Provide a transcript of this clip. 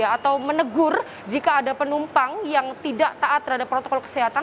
atau menegur jika ada penumpang yang tidak taat terhadap protokol kesehatan